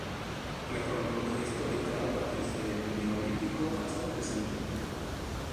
La cronología histórica va desde el Neolítico hasta el presente.